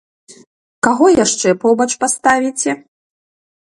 Каго яшчэ побач паставіце?